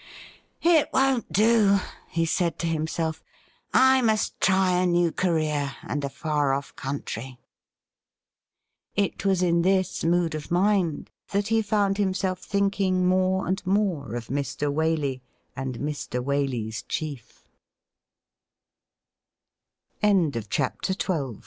' It won't do,' he said to himself. ' I must try a new career and a far off' country.' It was in this mood of mind that he found himself thinking more and more of Mr. Waley and Mr. Waley's